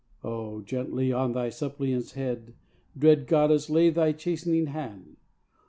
Oh, gently on thy suppliant's head, Dread Goddess, lay thy chastening hand!